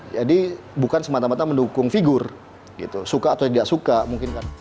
jadi bukan semata mata mendukung figur suka atau tidak suka mungkin kan